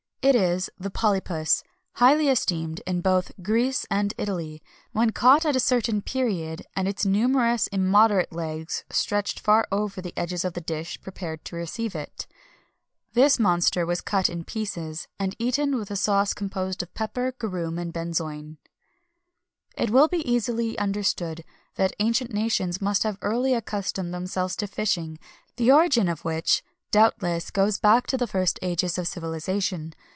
It is the Polypus, highly esteemed both in Greece and Italy, when caught at a certain period, and its numerous immoderate legs stretched far over the edges of the dish prepared to receive it.[XXI 271] This monster was cut in pieces, and eaten with a sauce composed of pepper, garum, and benzoin.[XXI 272] It will be easily understood that ancient nations must have early accustomed themselves to fishing, the origin of which, doubtless, goes back to the first ages of civilization.